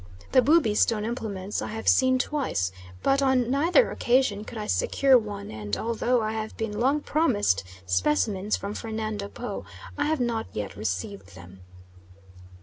The Bubi stone implements I have seen twice, but on neither occasion could I secure one, and although I have been long promised specimens from Fernando Po, I have not yet received them.